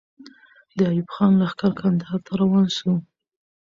د ایوب خان لښکر کندهار ته روان سو.